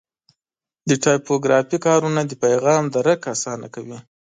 د ټایپوګرافي کارونه د پیغام درک اسانه کوي.